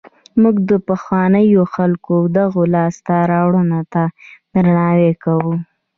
موږ د پخوانیو خلکو دغو لاسته راوړنو ته درناوی کوو.